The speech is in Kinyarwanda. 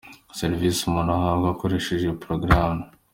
Serivisi umuntu ahabwa akoresheje iyi porogaramu.